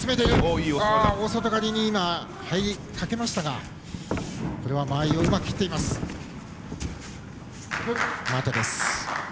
大外刈りに入りかけましたがこれは間合いをうまく切っています。